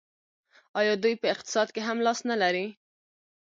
آیا دوی په اقتصاد کې هم لاس نلري؟